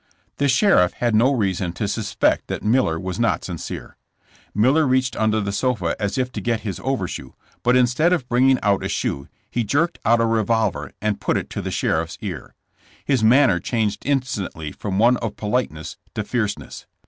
The sheriff had no reason to suspect that Miller was not sincere. Miller reached under the sofa as if to get his overshoe, but instead of bringing out a shoe he jerked out a revolver and put it to the sheriff's ear. His manner changed instantly from one of politeness to fierceness.